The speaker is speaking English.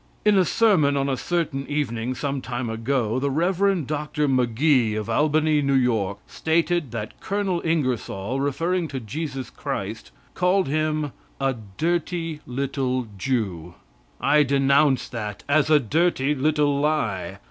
In a sermon on a certain evening, some time ago, the Rev. Dr. Magee of Albany, N. Y., stated that Colonel Ingersoll, referring to Jesus Christ, called him a "dirty little Jew." I denounce that as a dirty little lie.